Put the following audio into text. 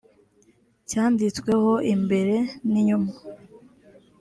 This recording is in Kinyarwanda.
cyanditsweho imbere n inyuma